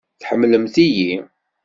Tḥemmlemt-iyi?